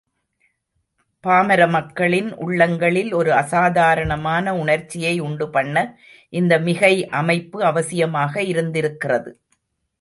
பாமர மக்களின் உள்ளங்களில் ஒரு அசாதாரணமான உணர்ச்சியை உண்டுபண்ண இந்த மிகை அமைப்பு அவசியமாக இருந்திருக்கிறது.